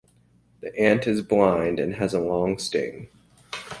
The ant is blind and has a long sting.